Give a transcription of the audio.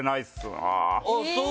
あっそう？